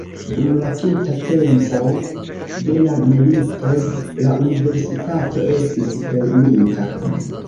Dum la tuta tempo de la milito la universitato estis fermita.